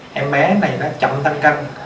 hay em bé này nó chậm tăng canh